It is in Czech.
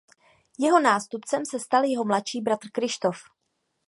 Jeho nástupcem se stal jeho mladší bratr Kryštof.